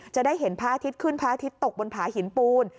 จะได้เห็นพระอาทิตย์ขึ้นพระอาทิตย์ตกบนผาหินปูน